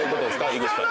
井口さん。